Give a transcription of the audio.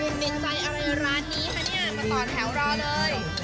ติดใจอะไรร้านนี้คะเนี่ยมาต่อแถวรอเลย